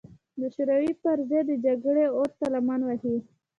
د شوروي پر ضد د جګړې اور ته لمن ووهي.